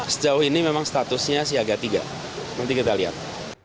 sejauh ini memang statusnya siaga tiga nanti kita lihat